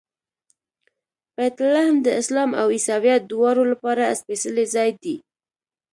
بیت لحم د اسلام او عیسویت دواړو لپاره سپېڅلی ځای دی.